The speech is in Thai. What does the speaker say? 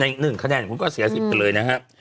ในหนึ่งคาแดนคุณก็เสียสิทธิ์ไปเลยนะฮะ